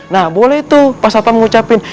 nah boleh tuh pak ustadz pam mengucapkan